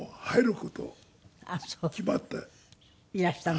いらしたの？